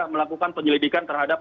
melakukan penyelidikan terhadap